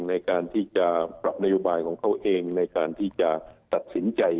ในการที่จะปรับนโยบายของเขาเองในการที่จะตัดสินใจ